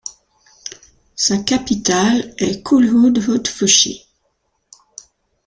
Sa capitale est Kulhudhuffushi.